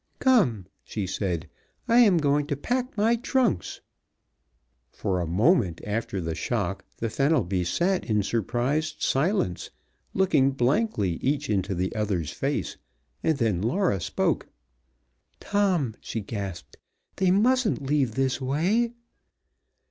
"Come!" she said. "I am going up to pack my trunks." For a moment after the shock the Fenelbys sat in surprised silence, looking blankly each into the other's face, and then Laura spoke. "Tom," she gasped, "they mustn't leave this way!"